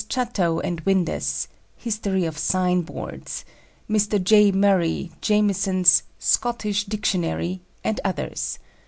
Chatto & Windus, "History of Sign boards;" Mr. J. Murray, Jamieson's "Scottish Dictionary," and others.